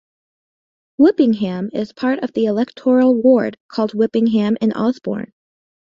Whippingham is part of the electoral ward called Whippingham and Osbourne.